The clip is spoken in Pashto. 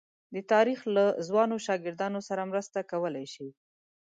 د تاریخ له ځوانو شاګردانو سره مرسته کولای شي.